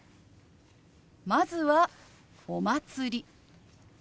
まずは「お祭り」。